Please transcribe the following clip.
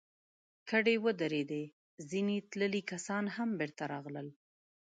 کډې ودرېدې، ځينې تللي کسان هم بېرته راغلل.